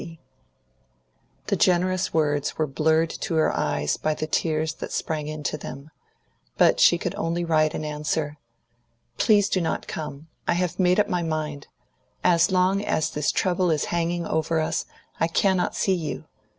T. C. The generous words were blurred to her eyes by the tears that sprang into them. But she could only write in answer: "Please do not come; I have made up my mind. As long as this trouble is hanging over us, I cannot see you.